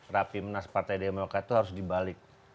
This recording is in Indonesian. rapi menas partai demokrat itu harus dibalik